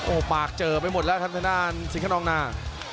โอ้ปากเจอไปหมดแล้วคันธนาฬสิงค์กะนองน่า